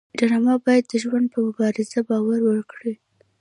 ډرامه باید د ژوند په مبارزه باور ورکړي